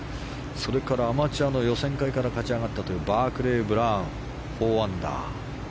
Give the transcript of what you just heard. そしてアマチュアの予選会から勝ち上がったバークレー・ブラウン４アンダー。